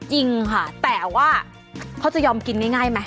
จริงค่ะแต่ว่าเขาจะยอมกินง่ายไหม